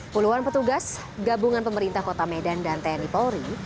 puluhan petugas gabungan pemerintah kota medan dan tni polri